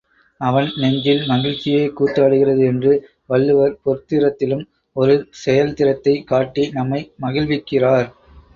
அவன் நெஞ்சில் மகிழ்ச்சியே கூத்தாடுகிறது என்று வள்ளுவர் பொர்த்திறத்திலும், ஒரு செயல் திறத்தைக் காட்டி நம்மை மகிழ்விக்கிறார்.